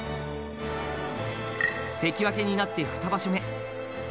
関脇になって２場所目。